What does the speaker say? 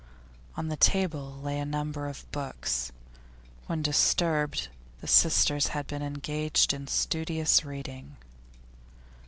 On the round table lay a number of books; when disturbed, the sisters had been engaged in studious reading.